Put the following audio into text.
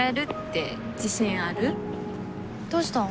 どうしたん？